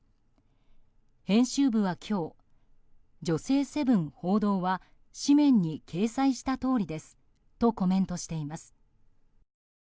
編集部は今日「女性セブン」報道は誌面に掲載したとおりですとコメントしています。